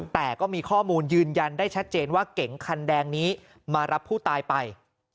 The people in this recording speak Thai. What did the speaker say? แต่ก็มีข้อมูลยืนยันได้ชัดเจนว่าเก๋งคันแดงนี้มารับผู้ตายไป